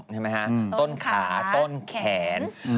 ใช่ไหมฮะต้นขาต้นแขน